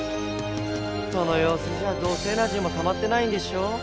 そのようすじゃどうせエナジーもたまってないんでしょ。